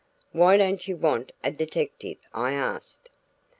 "Why don't you want a detective?" I asked.